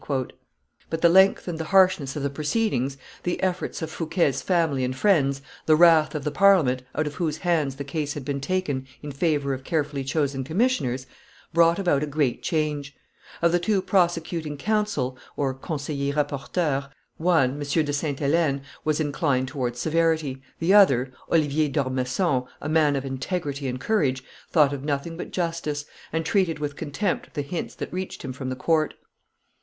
But the length and the harshness of the proceedings, the efforts of Fouquet's family and friends, the wrath of the Parliament, out of whose hands the case had been taken in favor of carefully chosen commissioners, brought about a great change; of the two prosecuting counsel (conseillers rapporteurs), one, M. de Sainte Helene, was inclined towards severity; the other, Oliver d'Ormesson, a man of integrity and courage, thought of nothing but justice, and treated with contempt the hints that reached him from the court.